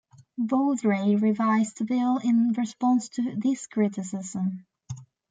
Vodrey revised the bill in response to this criticism.